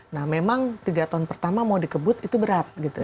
nah memang tiga tahun pertama mau dikebut itu berat gitu